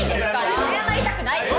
謝りたくないです！